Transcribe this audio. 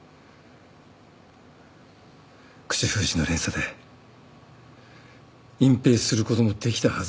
口封じの連鎖で隠蔽することもできたはずだ。